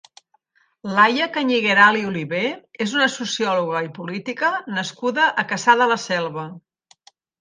Laia Cañigueral i Olivé és una sociòloga i política nascuda a Cassà de la Selva.